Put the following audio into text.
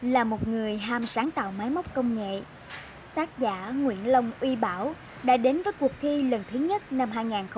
là một người ham sáng tạo máy móc công nghệ tác giả nguyễn long uy bảo đã đến với cuộc thi lần thứ nhất năm hai nghìn một mươi tám